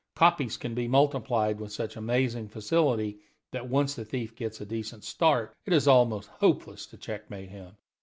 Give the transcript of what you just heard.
Copies can be multiplied with such amazing facility that, once the thief gets a decent start, it is almost hopeless to checkmate him.